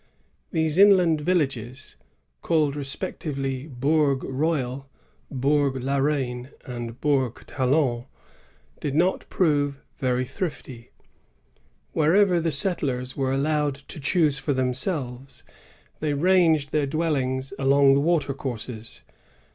These inland villages, called respectively Bourg Royal, Bourg la Reine, and Bourg Talon, did not prove very thrifty.^ Wherever the settlers were allowed to choose for themselves, they ranged their dwellings along the watercourses.